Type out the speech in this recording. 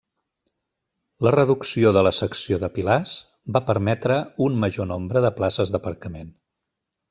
La reducció de la secció de pilars va permetre un major nombre de places d'aparcament.